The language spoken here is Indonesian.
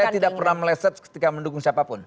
dan saya tidak pernah meleset ketika mendukung siapapun